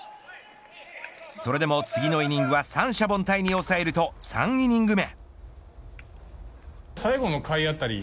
それでも、次のイニングは三者凡退に抑えると３イニング目。